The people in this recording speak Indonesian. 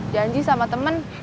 janji sama temen